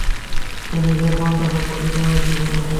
সে নিজের পান্ডা সম্পর্কে তোমাকে কী বলেছে?